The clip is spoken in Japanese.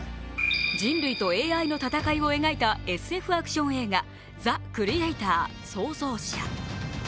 人類とＡＩの戦いを描いたＳＦアクション映画「ザ・クリエイター／創造者」。